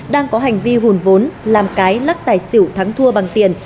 đang có hành vi hùn vốn làm cái lắc tài xỉu thắng thua bằng tiền